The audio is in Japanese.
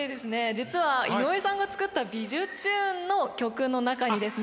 実は井上さんが作った「びじゅチューン！」の曲の中にですね。